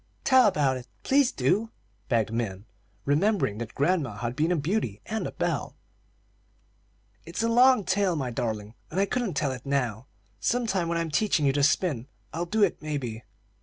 "Tell about it, please do," begged Min, remembering that grandma had been a beauty and a belle. "It's a long tale, my darling, and I couldn't tell it now. Sometime when I'm teaching you to spin I'll do it, maybe."